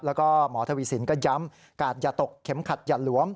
แล้วก็หมอทวีสินก็ย้ำกาดอย่าตกเข็มขัดอย่าหลวม